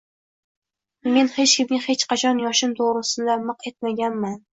Men hech kimga hech qachon yoshim to’g’risida miq etmaganman.